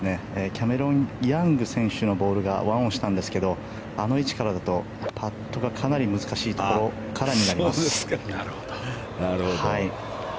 キャメロン・ヤング選手のボールが１オンしたんですけどあの位置からだとパットがかなり難しいところからになります。